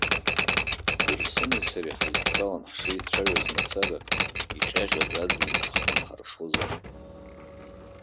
Дырсыни сареи ҳаидтәалан ҳшеицәажәоз мацара, иҟьаҟьаӡа аӡын ҵхқәа анҳаршоз ыҟан.